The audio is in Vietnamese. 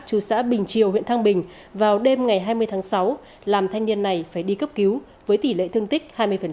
chú xã bình triều huyện thăng bình vào đêm ngày hai mươi tháng sáu làm thanh niên này phải đi cấp cứu với tỷ lệ thương tích hai mươi